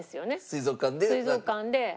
水族館で。